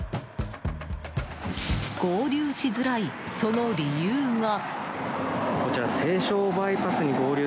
合流しづらい、その理由が。